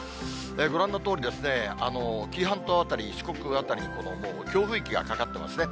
ご覧のとおり、紀伊半島辺り、四国辺りに、もう強風域がかかってますね。